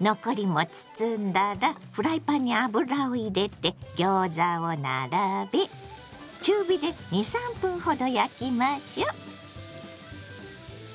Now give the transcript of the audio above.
残りも包んだらフライパンに油を入れてギョーザを並べ中火で２３分ほど焼きましょ。